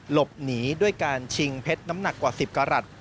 หลบหนีด้วยการชิงเพชรน้ำหนักกว่า๑๐กรัฐ